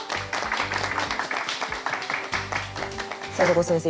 里子先生